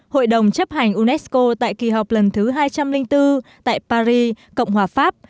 hội đồng chấp hành unesco tại kỳ họp lần thứ hai trăm linh bốn tại paris cộng hòa pháp